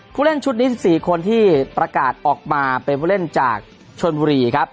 ผู้เล่นชุดนี้๑๔คนที่ประกาศออกมาเป็นผู้เล่นจากชนบุรีครับ